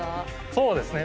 そうですね。